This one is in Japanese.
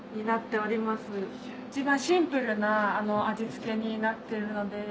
シンプルな味付けになってるので。